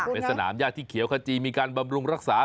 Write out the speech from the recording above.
เป็นสนามญาติที่เขียวขจีมีการบำรุงรักษา